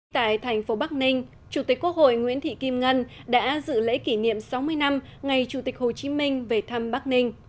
tại thành phố bắc ninh chủ tịch quốc hội nguyễn thị kim ngân đã dự lễ kỷ niệm sáu mươi năm ngày chủ tịch hồ chí minh về thăm bắc ninh